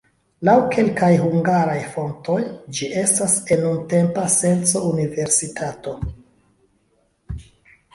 Laŭ kelkaj hungaraj fontoj ĝi estas en nuntempa senco universitato.